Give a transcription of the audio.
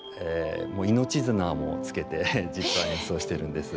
命綱もつけて実際にそうしてるんです。